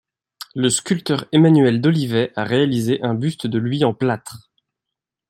Le sculpteur Emmanuel Dolivet a réalisé un buste de lui en plâtre.